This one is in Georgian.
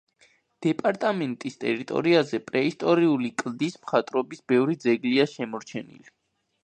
დეპარტამენტის ტერიტორიაზე პრეისტორიული კლდის მხატვრობის ბევრი ძეგლია შემორჩენილი.